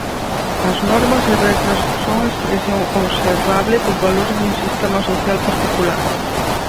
As normas e regras son a expresión observable dos valores dun sistema social particular.